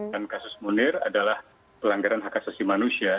dan kasus munir adalah pelanggaran hak asasi manusia